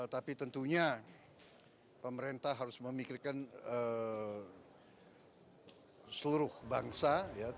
tapi tentunya pemerintah harus memikirkan seluruh bangsa